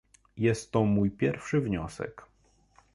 Jest to mój pierwszy wniosek